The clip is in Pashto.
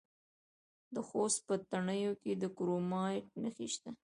د خوست په تڼیو کې د کرومایټ نښې شته.